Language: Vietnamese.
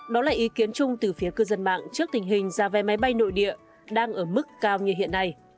đó là ý kiến chung từ phía cư dân mạng trước tình hình giá vé máy bay nội địa đang ở mức cao như hiện nay